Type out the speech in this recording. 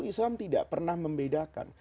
islam tidak pernah membedakan